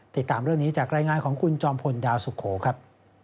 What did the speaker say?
ติดตามเรื่องนี้จากรายงานของคุณจอมพลดาวสุโขครับ